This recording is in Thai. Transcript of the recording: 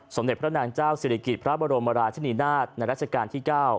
สมเด็จพระนางเจ้าศิริกิจพระบรมราชนีนาฏในราชการที่๙